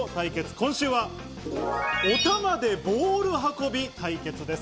今週は、お玉でボール運び対決です。